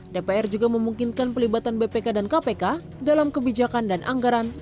dpr juga memungkinkan pelibatan bpk dan kpk dalam kebijakan dan anggaran